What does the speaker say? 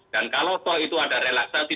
dan kalau itu ada relaksasi